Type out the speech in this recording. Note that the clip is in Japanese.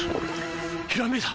ひらめいた！